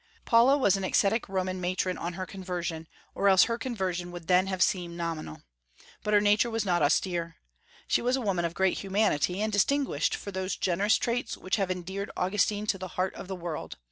Paula was an ascetic Roman matron on her conversion, or else her conversion would then have seemed nominal. But her nature was not austere. She was a woman of great humanity, and distinguished for those generous traits which have endeared Augustine to the heart of the world.